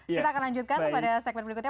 kita akan lanjutkan pada segmen berikutnya